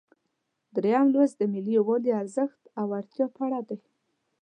دریم لوست د ملي یووالي ارزښت او اړتیا په اړه دی.